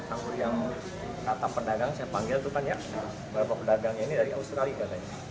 anggur yang kata pedagang saya panggil itu kan ya beberapa pedagangnya ini dari australia